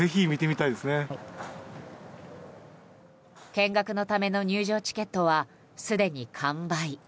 見学のための入場チケットはすでに完売。